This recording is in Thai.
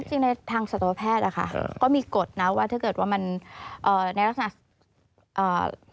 จริงในทางสัตวแพทย์ก็มีกฎนะว่าถ้าเกิดว่ามันในลักษณะ